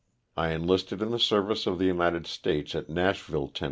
I enlisted in the service of the United States at Nashville, Tenn.